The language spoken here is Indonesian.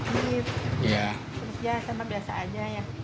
terus ya emang biasa aja ya